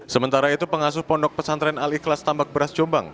sementara itu pengasuh pondok pesantren al ikhlas tambak beras jombang